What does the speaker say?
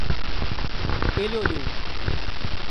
Ele olhou.